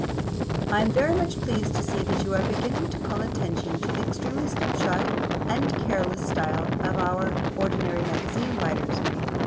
I am very much pleased to see that you are beginning to call attention to the extremely slipshod and careless style of our ordinary magazine writers.